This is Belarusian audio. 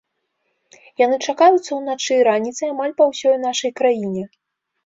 Яны чакаюцца ўначы і раніцай амаль па ўсёй нашай краіне.